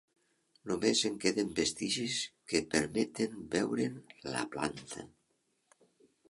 Només en queden vestigis que permeten veure'n la planta.